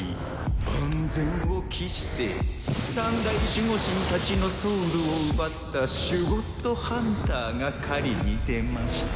万全を期して三大守護神たちのソウルを奪ったシュゴッドハンターが狩りに出ました。